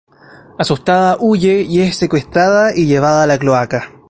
Asustada, huye y es secuestrada y llevada a la cloaca.